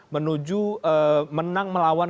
menuju menang melawan